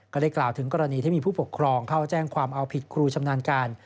ก็ได้กล่าวถึงกรณีที่มีผู้ปกครองเข้าแจ้งความเอาผิดครูชำนาญการ